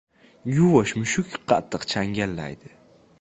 • Yuvosh mushuk qattiq changallaydi.